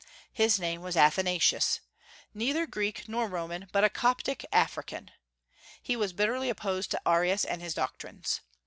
His name was Athanasius, neither Greek nor Roman, but a Coptic African. He was bitterly opposed to Arius and his doctrines.